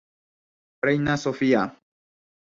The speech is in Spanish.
Reina Sofía.